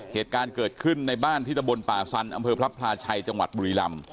เหตุการณ์เกิดขึ้นในบ้านที่ตะบนป่าซันอำเภอพระพลาชัยจังหวัดบุรีลำ